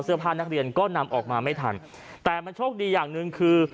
เสื้อผ้านักเรียนก็นำออกมาไม่ทันแต่มันโชคดีอย่างหนึ่งคือ